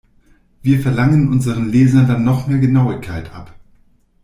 Wir verlangen unseren Lesern dann noch mehr Genauigkeit ab.